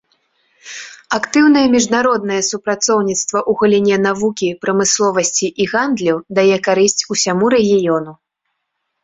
Актыўнае міжнароднае супрацоўніцтва ў галіне навукі, прамысловасці і гандлю дае карысць усяму рэгіёну.